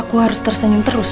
aku harus tersenyum terus